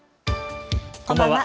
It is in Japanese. こんばんは。